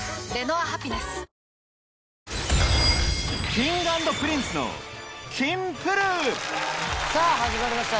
Ｋｉｎｇ＆Ｐｒｉｎｃｅのさぁ始まりました